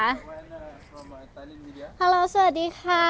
ในระบบอีกระบบหนึ่งนะคะ